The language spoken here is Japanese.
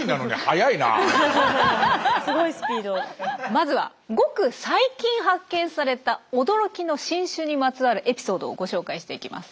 まずはごく最近発見された驚きの新種にまつわるエピソードをご紹介していきます。